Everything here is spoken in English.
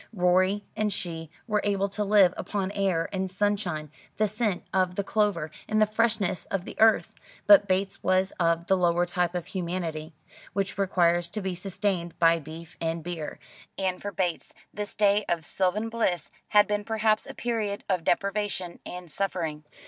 Rorie and she were able to live upon air and sunshine, the scent of the clover, and the freshness of the earth; but Bates was of the lower type of humanity, which requires to be sustained by beef and beer; and for Bates this day of sylvan bliss had been perhaps a period of deprivation and suffering.